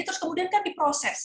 terus kemudian kan diproses